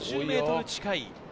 ５０ｍ近い。